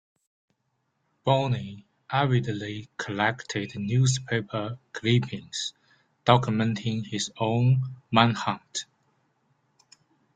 Bonin avidly collected newspaper clippings documenting his own manhunt.